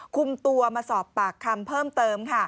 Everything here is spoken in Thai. คุมตัวมาสอบปากคำเพิ่มเติมค่ะ